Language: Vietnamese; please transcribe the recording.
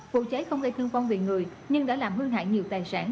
vụ cháy không gây thương phong vì người nhưng đã làm hư hại nhiều tài sản